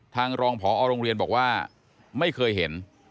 ทางรองพอโรงเรียนบอกว่าไม่เคยเห็น